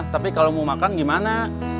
tapi kalau mau makan gimana